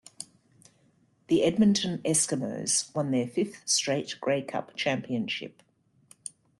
The Edmonton Eskimos won their fifth straight Grey Cup championship.